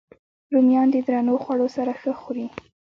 رومیان د درنو خوړو سره ښه خوري